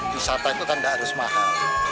wisata itu kan tidak harus mahal